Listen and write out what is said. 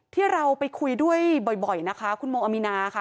ที่เราไปคุยด้วยบ่อยนะคะคุณโมอามีนาค่ะ